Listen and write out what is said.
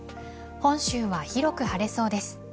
本州は広く晴れそうです。